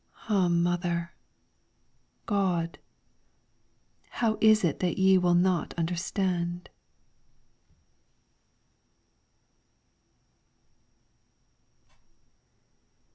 Ah Mother ! God ! How is it that ye will not understand